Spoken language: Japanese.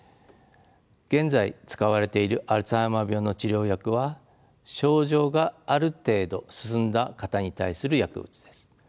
現在使われているアルツハイマー病の治療薬は症状がある程度進んだ方に対する薬物です。